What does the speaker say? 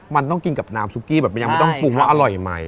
มันต้องกินกับน้ำซูกกี้แบบไหนมันต้องปรุงว่าอร่อยไหม